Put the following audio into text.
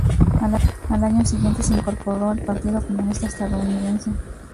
Al año siguiente se incorporó al Partido Comunista Estadounidense.